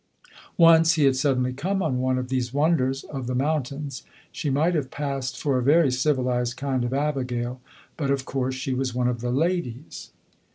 Once he had suddenly come on one of these wonders of the mountains : she might have passed for a very civilized kind of abigail ; but, of course, she was one of the " ladies."